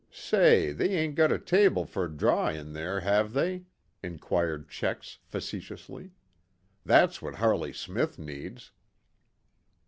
"Say, they ain't got a table for 'draw' in there, have they?" inquired Checks facetiously. "That's what Harley Smith needs."